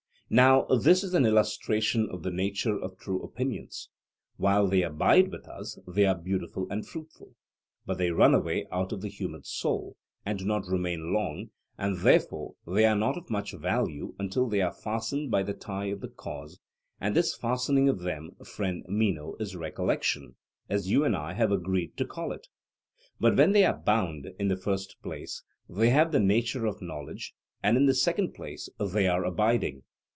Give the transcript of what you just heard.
Now this is an illustration of the nature of true opinions: while they abide with us they are beautiful and fruitful, but they run away out of the human soul, and do not remain long, and therefore they are not of much value until they are fastened by the tie of the cause; and this fastening of them, friend Meno, is recollection, as you and I have agreed to call it. But when they are bound, in the first place, they have the nature of knowledge; and, in the second place, they are abiding.